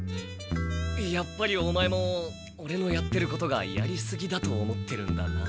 やっぱりオマエもオレのやってることがやりすぎだと思ってるんだな。